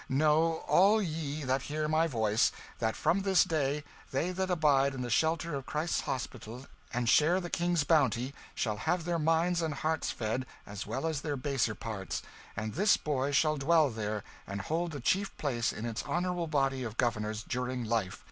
Know, all ye that hear my voice, that from this day, they that abide in the shelter of Christ's Hospital and share the King's bounty shall have their minds and hearts fed, as well as their baser parts; and this boy shall dwell there, and hold the chief place in its honourable body of governors, during life.